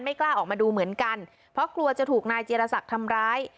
กล้าออกมาดูเหมือนกันเพราะกลัวจะถูกนายจีรศักดิ์ทำร้าย